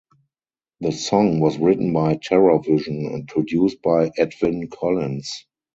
The song was written by Terrorvision and produced by Edwyn Collins.